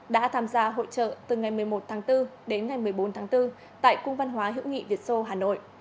đã tham gia hội trợ từ ngày một mươi một tháng bốn đến ngày một mươi bốn tháng bốn tại cung văn hóa hữu nghị việt sô hà nội